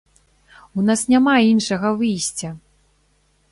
У нас няма іншага выйсця!